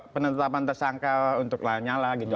penetapan tersangka untuk lanyala gitu